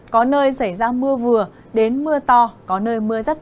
có nơi xảy ra mưa vừa đến mưa to